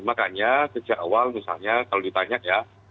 makanya sejak awal misalnya kalau ditanya ya